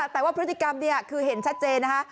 แต่ว่าพฤติกรรมคือเห็นชัดเจนนะคะ